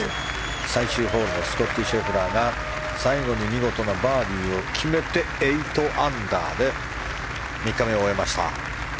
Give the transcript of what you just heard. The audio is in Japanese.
最終ホールのスコッティ・シェフラーが最後に見事なバーディーを決めて８アンダーで３日目を終えました。